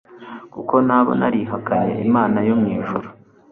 kuko naba narihakanye imana yo mu ijuru